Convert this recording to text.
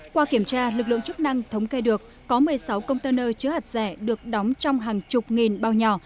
qua kiểm tra lực lượng chức năng thống kê được có một mươi sáu container chứa hạt rẻ được đóng trong hàng chục nghìn bao nhỏ